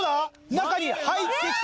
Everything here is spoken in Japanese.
中に入ってきた！